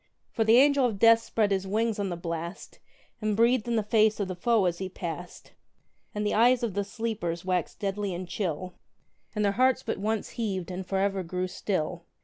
For the Angel of Death spread his wings on the blast, And breathed in the face of the foe as he passed; And the eyes of the sleepers waxed deadly and chill, And their hearts but once heaved, and for ever grew still!